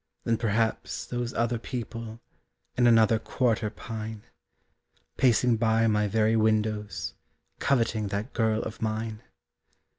Then perhaps those other people In another quarter pine, Pacing by my very windows, Coveting that girl of mine.